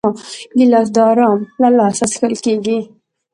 ګیلاس د آرام له لاسه څښل کېږي.